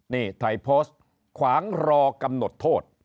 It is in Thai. นี่ถ่ายโพสต์ขวางรอกำหนดโทษ